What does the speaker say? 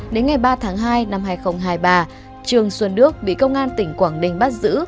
đến ngày ba tháng hai năm hai nghìn hai mươi ba trường xuân đức bị công an tỉnh quảng ninh bắt giữ